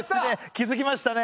気づきましたね。